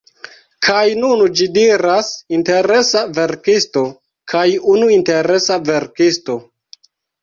Kaj nun ĝi diras "interesa verkisto" kaj "unu interesa verkisto"